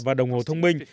và đồng hồ thông minh